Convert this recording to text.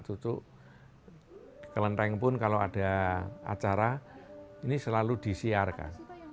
tutup kelenteng pun kalau ada acara ini selalu disiarkan